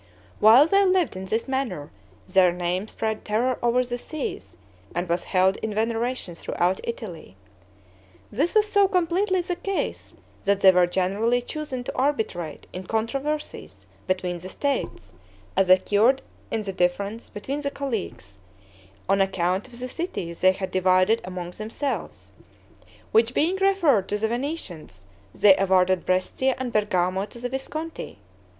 While they lived in this manner, their name spread terror over the seas, and was held in veneration throughout Italy. This was so completely the case, that they were generally chosen to arbitrate in controversies between the states, as occurred in the difference between the Colleagues, on account of the cities they had divided among themselves; which being referred to the Venetians, they awarded Brescia and Bergamo to the Visconti.